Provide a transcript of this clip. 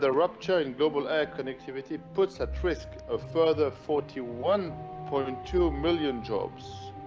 tapi penyerangan konektivitas udara global menyebabkan empat puluh satu dua miliar pekerjaan